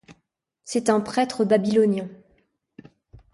C'est un prêtre babylonien.